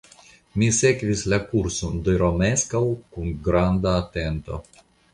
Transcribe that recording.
Mi sekvis la kurson de Romeskaŭ kun granda atento.